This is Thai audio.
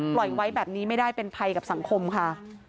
ปล่อยไว้แบบนี้ไม่ได้เป็นภัยกับสังคมค่ะ